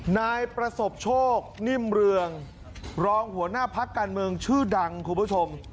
นายประสบโชคนิ่มเรืองรองหัวหน้าพักการเมืองชื่อดังคุณผู้ชม